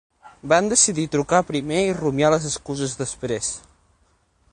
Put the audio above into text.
Van decidir trucar primer i rumiar les excuses després.